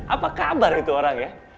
apa kabar itu orang ya